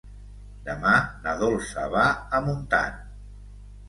Demà na Dolça va a Montant.